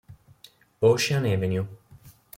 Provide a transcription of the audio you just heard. Ocean Avenue